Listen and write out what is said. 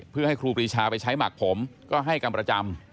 เพื่อให้ครูปรีชาไปใช้หมักผมก็ให้กรรมประจำ